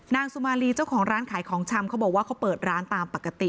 นางสุมาลีเจ้าของร้านขายของชำเขาบอกว่าเขาเปิดร้านตามปกติ